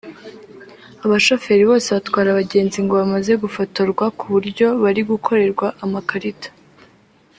Abashoferi bose batwara abagenzi ngo bamaze gufotorwa ku buryo bari gukorerwa amakarita